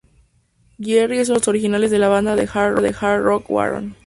Jerry es uno de los miembros originales de la banda de "hard rock" Warrant.